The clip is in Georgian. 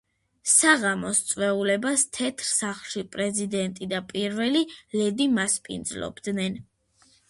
საღამოს წვეულებას თეთრ სახლში, პრეზიდენტი და პირველი ლედი მასპინძლობდნენ.